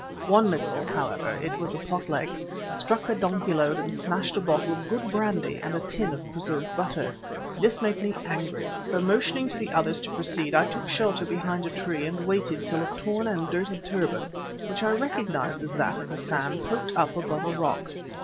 One missile, however, it was a pot leg, struck a donkey load and smashed a bottle of good brandy and a tin of preserved butter. This made me angry, so motioning to the others to proceed I took shelter behind a tree and waited till a torn and dirty turban, which I recognised as that of Hassan, poked up above a rock.